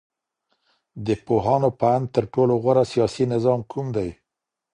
د پوهانو په اند تر ټولو غوره سياسي نظام کوم دی؟